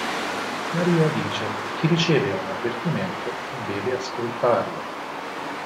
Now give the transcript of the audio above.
Maria dice: "Chi riceve un avvertimento deve ascoltarlo".